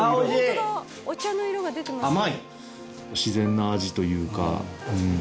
自然な味というかうん。